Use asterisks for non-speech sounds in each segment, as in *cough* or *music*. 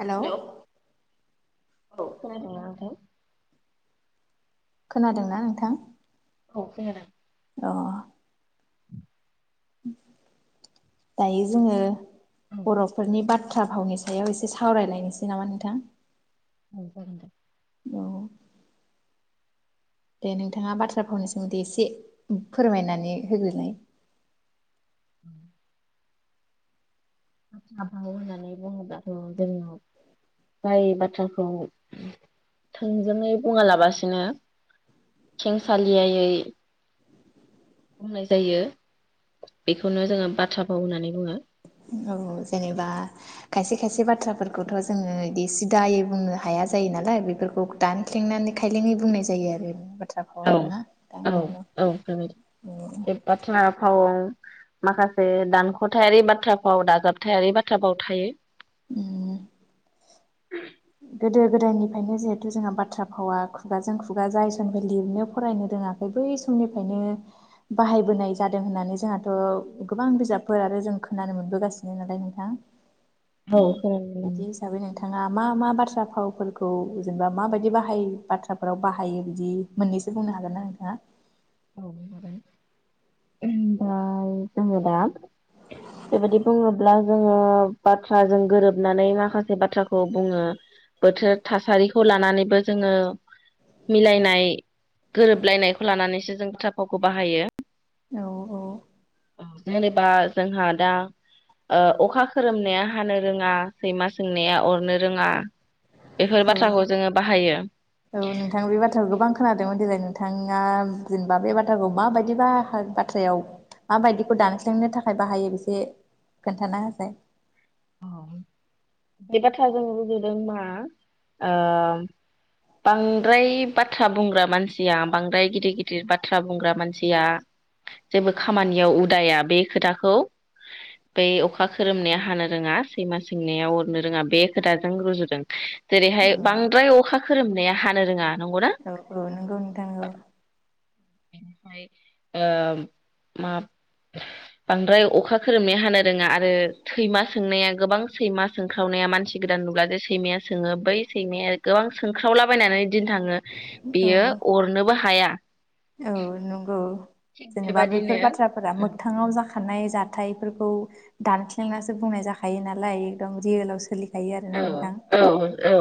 Hello हेल औ खोनादों ना नोंथां। खोनादोंना नोंथां। औ खोनादों। अ। *inaudible* *unintelligible* दायो जोङो बर'फोरनि बा थ्रा भावनि सायाव एसे सावरायलायनोसै नामा नोंथां। औ जागोन दे। औ। दे नोंथाङा बाथ्रा फावनि सोमोन्दै एसे फोरमायनानै होग्रोनाय। *inaudible* बाथ्रा भाव होननानै बुङोब्लााथ' जोङो जाय बाथ्राखौ थोंजोङै बुङालाबासिनो खेंसालियायै बुंनाय जायो बेखौनो जोङो बाथ्रा भाव होननानै बुङो। औ जेनेबा खायसे खायसे बाथ्राफोरखौथ' जोङो इदि सिदायै बुंनो हाया जायो नालाय बेफोरखौ दानख्लेंनानै खायलेंङै बुंनाय जायो आरो। बाथ्राखौ औ ना दा औ औ औ बे बाथ्रा फाव। माखासे दानख'थायारि बाथ्राफाव दाजाबथायारि बाथ्राफाव थायो। ओम। गोदो गोदायनिफ्रायनो जिहेथु जोंहा बाथ्रा फावा खुगाजों खुगा जाय समनिफ्राय लिरनो फरायनो रोङाखै बै समनिफ्रायनो बाहायबोनाय जादों होननानै जोंहाथ' गोबां बिजाबफोर आरो जों खोनानो मोनबोगासिनो नालाय नोंथां। औ बिदि हिसाबै *unintelligible* नोंथाङा मा मा बाथ्रा फावफोरखौ जेनेबा माबायदि बाहाय बाथ्राफोराव बाहायो बिदि मोन्नैसो बुंनो हागोनना नोंथाङा। औ हागोन दा जोङो दा बेबायदि बुङोब्ला जोङो बाथ्राजों गोरोबनानै माखासे बाथ्राखौ बुङो बोथोर थासारिखौ लानानैबो जोङो मिलायनाय गोरोबलायनायखौ लानानैसो जों बाथ्रा फावखौ बाहायो। औ औ। जेनेबा जोंहा दा ओ अखा खोरोमनाया हानो रोङा सैमा सोंनाया अरनो रोङा। बेफोर औ बाथ्राखौ जोङो बाहायो औ नोंथां बे बाथ्राखौ गोबां खोनादोंमोन दिनैबो नोंथाङा जेनेबा बे बाथ्राखौ माबायदि बाहा बाथ्रायाव माबायदिखौ दानस्लेंनो थाखाय बाहायो बेसे खोन्थाना होसाय। औ बे बाथ्रा जों रुजुदों मा ओ बांद्राय बाथ्रा बुंग्रा मानसिया बांद्राय गिदिर गिदिर बाथ्रा बुंग्रा मानसिया जेबो खामानियाव उदाया बे खोथाखौ बै अखा खोरोमनाया हानो रोङा सैमा सोंनाया अरनो रोङा बे खोथाजों रुजुदों। जेरैहाय औ बांद्राय अखा खोरोमनाया हानो नो रोङा। नंगौना औ औ नोंगौ नोंथां नंगौ। ओ माब बांद्राय अखा खोरोमनाया हानो रोङा आरो सैमा सोंनाया गोबां सैमा सोंख्रावनाया मानसि गोदान नुब्ला जे सैमाया सोङो बै सैमाया गोबां सोंख्रावलाबायनानै दिन्थाङो औ बियो अरनोबो हाया। औ नंगौ जेनेबा बेबादिनो बेफोर बाथ्राफोरा मोगथाङाव जाख खानाय जाथायफोरखौ दानस्लेंनासो बुंनाय जाखायो नालाय एकदम रियेल आव सोलि औ औ औ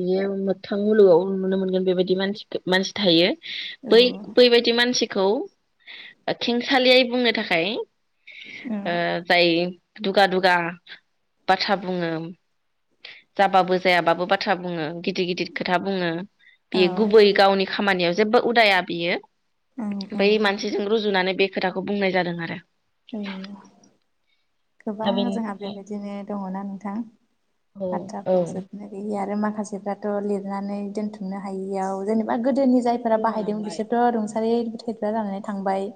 बियो मोग थां मुलुगाव नुनो मोनगोन बेबायदि मानसि मानसि थायो। औ बै बैबायदि मानसिखौ ओ खेंसालियै बुंनो थाखाय ओ जाय दुगा दुगा बाथ्रा बुङो जाबाबो जायाबाबो बाथ्रा बुङो गिदिर गिदिर खोथा बुङो औ बियो गुबै गावनि खामानियाव जेबो उदाया बियो ओं ओं ओमफ्राय मानसिजों रुजुनानै बे खोथाखौ बुंनाय जादों आरो औ दा गोबां जोंहा बेनिफ्राय बेबायदिनो दङना नोंथां औ औ बाथ्राखौ जोबनो गैयि आरो माखासेफ्राथ' लिरनानै दोनथुमनो हायैयाव जेनेबा गोदोनि जायफोरा बाहायदों बिसोरथ' रुं थारै *unintelligible* जानानै थांबाय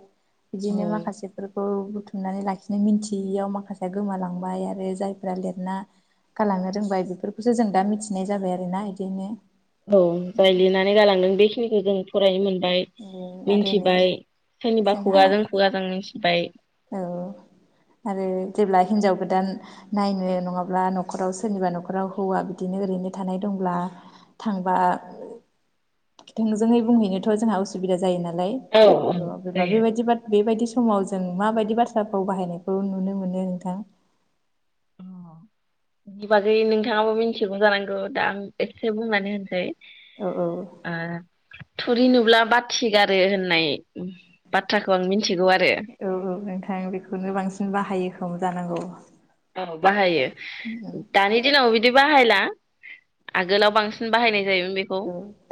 बिदिनो माखासे फोर खौ बुथुमनानै लाखिनो मिन्थियैयाव माखासे गोमालांबाय आरो जायफ्रा लिरना गालांनो रोंबाय बेफोरखौसो जों दा मिथिनाय जाबाय आरोना बिदिनो औ जाय लिरनानै गालांदों बेखि खिनिखौ जों फरायोमोन बाय आरो नै मिन्थिबाय सोरनिबा जोंहा खुगाजों खुगाजों मिन्थिबाय औ आरो जेब्ला हिनजाव गोदान नायनो नङाब्ला न'खराव सोरनिबा न'खराव हौवा बिदिनो ओरैनो थानाय दंब्ला थांबा थोंजोङै बुंहैनोथ जोंहा असुबिदा जायो नाल लाय औ औ अ जेब्ला जायो बेबायदि बाथ बेबायदि सो समाव जों माबायदि बाथ्राभाव बाहायनायखौ नुनो मोनो नोंथां अ बेनि बागै नोंथाङाबो मिन्थिगौ जानांगौ दा आं एसे बुंनानै होनसै औ औ आ थुरि नुब्ला बाथि गारो होननाय बाथ्राखौ आं मिन औ औ नोंथां बेखौनो बांसिन बाहायो खोम जानांगौ *inaudible* औ बाहायो दानि दिनाव बिदि बाहायला आगोलाव बांसिन बाहायनाय जायोमोन बेखौ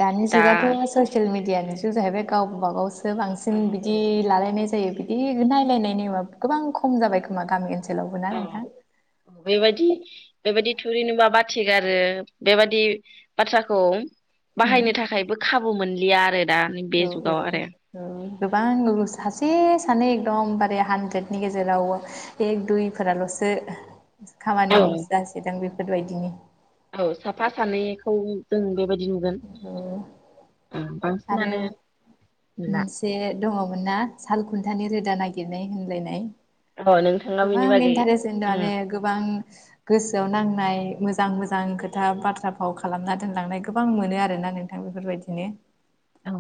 दानि दा जुगाथ' ससियेल मिडियानि जुग जाहैबाय गाव गावबा गाव औ बांसिन बिदि लालायनाय जायो बिदि नायलाय नेमा गोबां खम जाबाय खोमा गामि ओनसो औ बेबायदि बेबायदि थुरि नुबा बाथिगारो बेबायदि बाथ्राखौ उम बाहायनो थाखायबो खाबु मोन *unintelligible* औ औ औ गोबां सासे सानै एकदमबारे हानद्रेदनि गेजेराव एक दुइफोराल'सो औ खामानिबो जासिदों बे बेफोरबायदिनि औ साफा सानैखौ जों बेबायदि नुगोन ओ आरो बांसिनानो नुला मोनसे दङ'मोन ना सालखुन थानि रोदा नागिरनाय होनलायनाय अ नोंथाङा बेनि गोबां बागै इन्टारेस्ट ओंखाम *unintelligible* गोबां गोसोआव नांनाय मोजां मोजां खोथा बाथ्रा फाव खालामना दोनलांनायखौ गोबां मोनो आरोना नोंथां बेफोरबायदिनो औ औ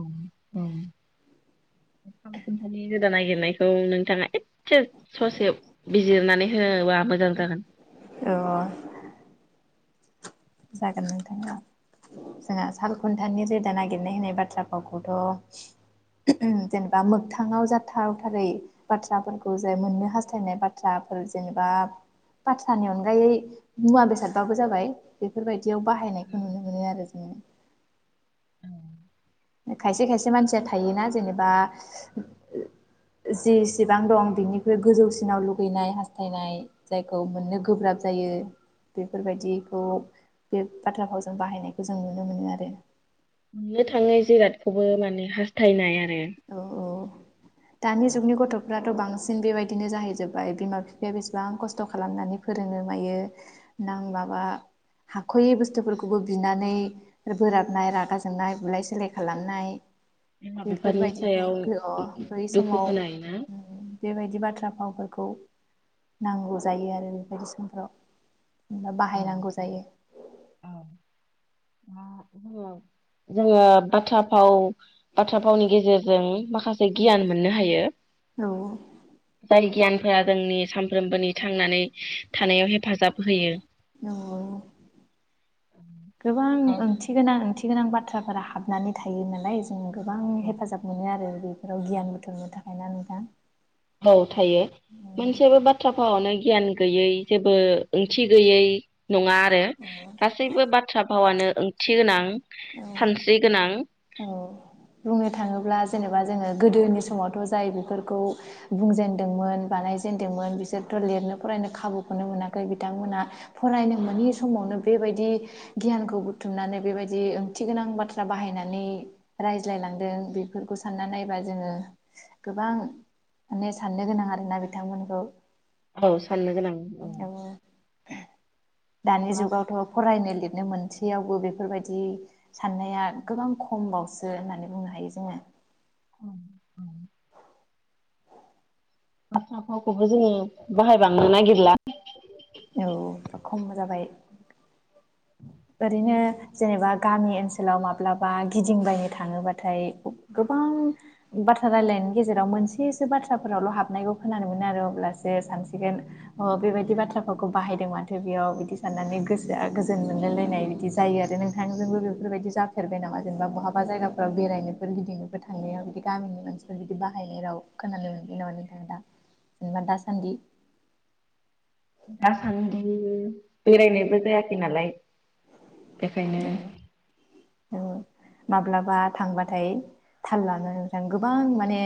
सालखुन्टानि रोदा नागिरनायखौ नोंथाङा ए से ससे बिजिरनानै होबा मोजां जागोन। औ जागोन नोंथां जागोन। जोंहा साल खुन्थानि रोदा नागिरनाय होननाय बाथ्रा फावखौथ' जेनेबा मोगथाङाव जाथावथारै बाथ्राफोरखौ जाय मोननो हास्थायनाय बाथ्राफोर जेनेबा बाथ्रानि अनगायै मुवा बेसादबाबो जाबाय बेफोरबायदियाव बाहायनायखौ नुनो मोनो आरो जोङो खायसे खायसे मानसिया थायोना जेनेबा जिसिबां दं बिनिख्रुइ गोजौसिनाव लुगैनाय हास्थायनाय जायखौ मोननो गोब्राब जायो बेफोरबायदिखौ बे बाथ्रा फावजों बाहायनायखौ जों नुनो मोनो आरो। मोननो थाङै जिरादखौबो माने हास्थायनाय आ औ औ। दानि जुगनि गथ'फ्राथ' बांसिन बेबायदिनो जाहैजोबबाय बिमा बिफाया बेसेबां खस्थ' खालामनानै फोरोङो मायो नां माबा हाख'यै बुस्थुफोरखौबो बिनानै बोराबनाय रागा जोंनाय बुलाय सोलाय खालामनाय *unintelligible* बेफोरबायदिखौ सायाव गो अ बै दुखु समाव होनाय ना बेबायदि बाथ्रा फावफोरखौ नांगौ जायो आरो बेबायदि समफ्राव। बाहायनांगौ जायो। *unintelligible* जोङो बाथ्रा फाव बाथ्रा फावनि गेजेरजों माखा से गियान मोननो हायो। औ जाय गियान फोरा जोंनि सानफ्रोमबोनि थांनानै थानायाव हेफाजाब होयो। नंगौ गोबां ओंथि गोनां ओंथि गोनां बाथ्राफोरा हाबनानै थायो नालाय जों गोबां हेफाजाब मोनो आरो बेफोराव गियान बुथुमनो थाखाय। नंगौना नोंथां? औ थायो। औ मोनसेबो बाथ्रा फावआवनो गियान गैयै जेबो ओंथि गैयै नङा आरो गासैबो बाथ्रा फावानो ओंथि गोनां। सानस्रि गोनां। बुंनो थाङोब्ला जेनेबा जोङो गोदोनि समावथ' जाय बेफोरखौ बुंजेनदोंमोन बानाय जेनदोंमोन बिसोरथ' लिरनो फरायनो खाबुखौनो मोनाखै बिथांमोनहा फरायनो मोनै समावनो बेबायदि गियानखौ बुथुमनानै बेबाय दि ओंथि गोनां बाथ्रा बाहायनानै रायज्लायलांदों बेफोरखौ सानना नायबा जोङो गोबां माने साननो गोनां आरोना बिथांमोनखौ। औ साननो गोनां औ बाथ्रा दानि जुगावथ' फरायनो लिर नो मोनसेयावबो बेफोरबाय दि साननाया गोबां खम बावसो होननानै बुंनो हायो जोङो। औ औ। बाथ्रा फावखौबो जोङो बाहायबांनो नागिरला। औ खम जाबाय ओरैनो जेनेबा गामि ओनसोलाव माब्लाबा गिदिंबायनो थाङोबाथाय गोबां बाथ्रा रायलायनायनि गेजेराव मोनसेसो बाथ्राफोरावल' हाबनायखौ खोनानो मोनो आरो अब्लासो सानसिगोन अ' बेबायदि बाथ्राफोरखौ बाहायदों माथो बेयाव बिदि साननानै गोसोआ गोजोन मोनलाय लाय नाय बिदि जायो आरो नोंथांजोंबो बेफोरबायदि जाफेरबाय नामा जेनेबा बहाबा जायगाफोराव बेरायनोफोर गिदिंनोफोर थांनायाव बिदि गामिनि मानसिफोर बिदि बाहायनाय राव खोनानो मोनबाय नामा नोंथाङा दा जेनेबा दासान्दि? दासान्दि बेरायनायबो जायाखै नालाय। बेखायनो औ औ माब्लाबा थांबाथाय थाल लानो नोंथां गोबां माने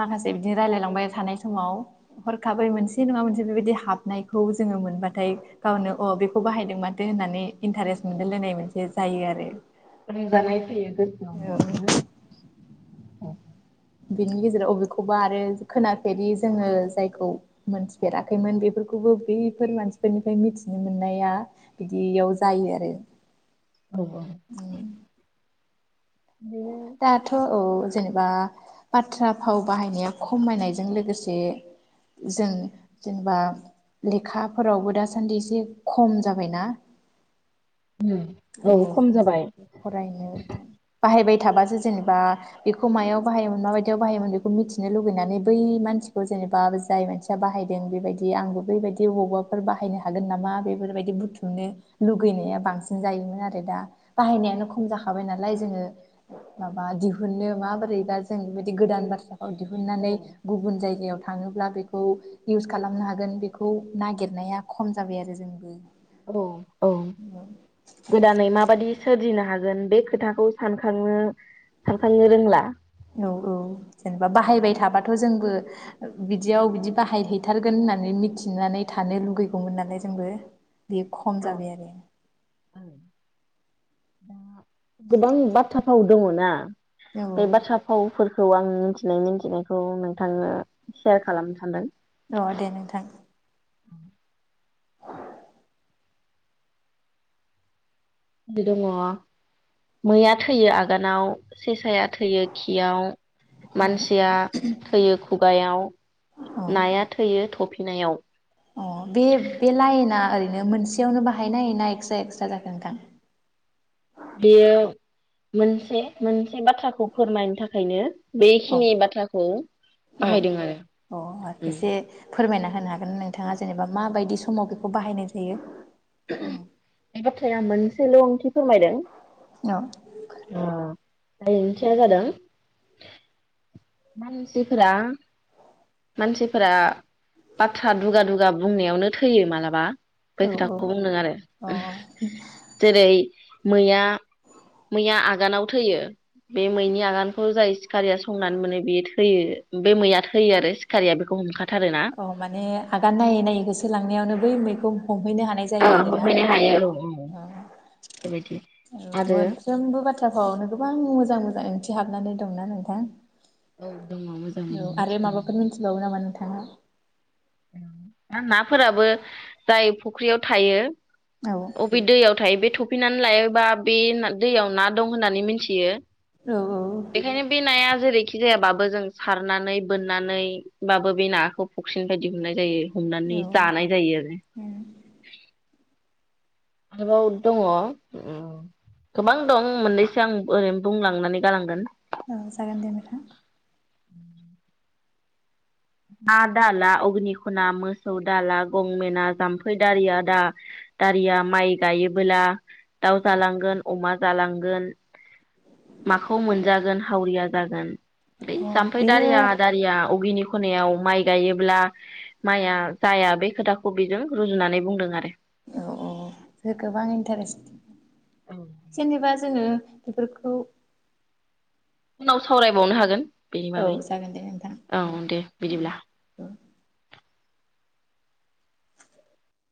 माखासे बिदिनो रायलायलांबाय थानाय समाव हरखाबै मोनसे नङा मोनसे बेबायदि हाबनायखौ जोङो मोनबाथाय गावनो अ' बेखौ बाहायदों माथो होननानै इन्टारेस्ट मोनलायलायनाय मोनसे जायो आरो। रंजानाय फैयो। *unintelligible* बिनि गेजेराव अबेखौबा आरो खोनाफेरि जोङो जायखौ मोनथिफेराखैमोन बेफोरखौबो बैफोर मानसिफोरनिफ्राय मिथिनो मोननाया बिदियाव जायो आरो। औ। उम। दाथ' औ जेने बा बाथ्रा फाव बाहायनाया खमायनायजों लोगोसे जों जेनेबा लेखाफोरावबो दासान्दि एसे खम जाबाय ना। औ खम जाबाय। फरायनो बाहायबाय थाबासो जेनेबा बेखौ मायाव बाहायोमोन माबायदियाव बाहायोमोन बेखौ मिथिनो लुगैनानै बै मानसिखौ जेनेबा जाय मानसिया बाहायदों बेबायदि आंबो बैबायदि अबावबाफोर बाहायनो हागोन नामा बेफोरबायदि बुथुमनो लुगैनाया बांसिन जायोमोन आरो दा बाहायनायानो खम जाखाबाय नालाय जोङो माबा दिहुनो माबोरैबा जों बेबायदि गोदान बाथ्राखौ दिहुननानै गुबुन जायगायाव थाङोब्ला बेखौ इउस खालामनो हागोन बेखौ नागिरनाया खम जाबाय आरो जोंबो। औ औ गोदानै माबादि सोरजिनो हागोन बे खोथाखौ सानखांनो सानखांनो रोंला औ औ जेनेबा बाहायबाय थाब बाथ' जोंबो बिदियाव बिदि बाहायहैथारगोन होननानै मिथिनानै थानो लुुबैगौमोन नालाय जोंबो। बे खम जाबाय आरो। दा गोबां बाथ्राफाव दङ ना। बे बाथ्रा फावफोर खौ आं मिथिनाय मिथिनायखौ नोंथांनो सेयार खालामनो सानदों। अ' दे नोंथां। *unintelligible* दङ मैया थैयो आगानाव सेसाया थैयो खियाव, मानसिया थैयो खुगायाव, अ नाया थैयो थ'फि फिनायाव अ' बे बे लाइना ओरैनो मोनसेयावनो बाहायनाय ना एक्सट्रा एक्सट्रा जाखो नोंथां? बेयो मोनसे, मोनसे बाथ्राखौ फोरमायनो थाखायनो बेखिनि बाथ्राखौ औ बाहायदों आरो औ अ उम एसे फोरमायना होनो हा गोन नोंथाङा जेनेबा माबायदि समाव बेखौ बाहायनाय जायो औ बे बाथ्राया मोनसेल' फोरमायदों औ ओ जाय ओंथिया जादों मानसिफोरा मानसिफोरा बाथ्रा दुगा दुगा बुंनायावनो थैयो मालाबा बै औ खोथाखौ बुंदों आरो औ अ जेरै मैया मैया आगानाव थैयो बे मैनि आगानखौ जाय सिखारिया संनानै मोनो बेयो थैयो बे मैया थैयो आरो सिखारिया बेखौ हमखा औ माने आगान नायै नायै होसो लांनायावनो बै मैखौ हमहैनो हानाय जायो औ आरोना बेबायदि औ आरो औ औ मोनफ्रोमबो बाथ्रा फावावनो गोबां मोजां मोजां ओंथि हाबनानै दंना नोंथां औ दङ औ मोजाङैनो आरो मिथिना माबाफोर मिथिबावो नामा नोंथाङा? आरो नाफोराबो जाय फुख्रियाव थायो औ अबे दैयाव थायो बे थ थफैनानै लायोबा बे दैयाव ना दं होननानै मिनथियो औ बेखायनो बे नाया जेरै थि जायाबाबो जों सारनानै बोननानैबाबो बे नाखौ फख्रिनिफ्राय दिहुननाय जायो हमनानै औ जानाय जायो आरो उम आरोबाव दङ' ओम गोबां दं मोननैसो आं ओरैनो बुंलांनानै गालांगोन औ जागोन दे नोंथां *unintelligible* ना दाला अग्नि खना मोसौ दाला गंमेना जाम्फै दारि आ दा दारिया माइ गायो। बोला दाउ जालांगोन अमा जालांगोन माखौ मोनजागोन हावरिया जागोन। बे अ जाम्फै बेयो दारिया दारिया उगेनि खनायाव माइ गायोब्ला माइया जाया बे खोथाखौ बेजों रुजुनानै बुंदों आरो। औ औ जे गोबां इन्टारेस्ट। जेनेबा जोङो बेफोरखौ उनाव सावरायबावनो हागोन। बेनि औ बागै जागोन दे नोंथां औ दे बिदिब्ला। औ